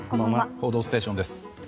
「報道ステーション」です。